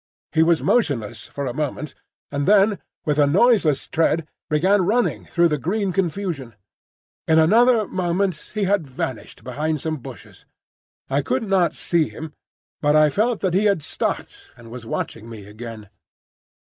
He was motionless for a moment, and then with a noiseless tread began running through the green confusion. In another moment he had vanished behind some bushes. I could not see him, but I felt that he had stopped and was watching me again.